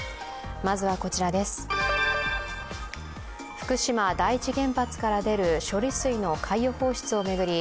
福島第一原発から出る処理水の海洋放出を巡り